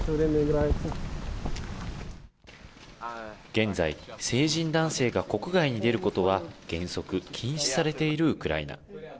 現在、成人男性が国外に出ることは原則禁止されているウクライナ。